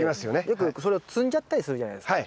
よくそれを摘んじゃったりするじゃないですか。